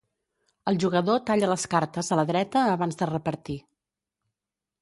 El jugador talla les cartes a la dreta abans de repartir.